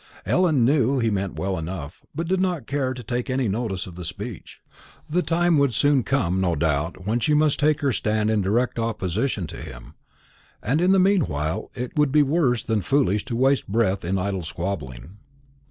Ellen knew what he meant well enough, but did not care to take any notice of the speech. The time would soon come, no doubt, when she must take her stand in direct opposition to him, and in the meanwhile it would be worse than foolish to waste breath in idle squabbling.